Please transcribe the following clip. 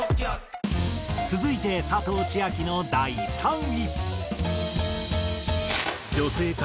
続いて佐藤千亜妃の第３位。